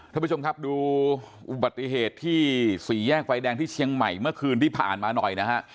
ท่านผู้ชมครับดูอุบัติเหตุที่สี่แยกไฟแดงที่เชียงใหม่เมื่อคืนที่ผ่านมาหน่อยนะฮะ